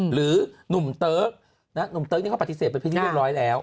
หนุ่มเติ๊กหนุ่มเติ๊กนี่เขาปฏิเสธไปเป็นที่เรียบร้อยแล้ว